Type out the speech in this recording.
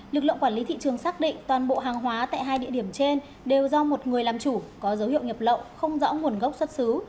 lực lượng quản lý thị trường xác định toàn bộ hàng hóa tại hai địa điểm trên đều do một người làm chủ có dấu hiệu nhập lậu không rõ nguồn gốc xuất xứ